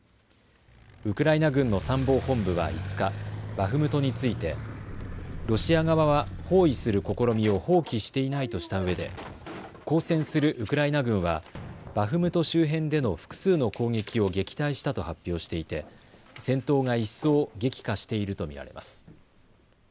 ウクライナ軍の参謀本部は５日、バフムトについてロシア側は包囲する試みを放棄していないとしたうえで抗戦するウクライナ軍はバフムト周辺での複数の攻撃を撃退したと発表していて戦闘が一層激化していると見られます。